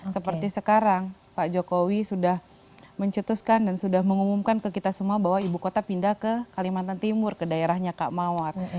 seperti sekarang pak jokowi sudah mencetuskan dan sudah mengumumkan ke kita semua bahwa ibu kota pindah ke kalimantan timur ke daerahnya kak mawar